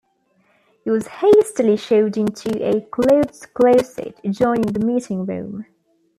He was hastily shoved into a clothes closet adjoining the meeting room.